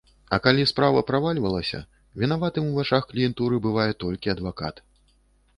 А калі справа правальвалася, вінаватым у вачах кліентуры бывае толькі адвакат.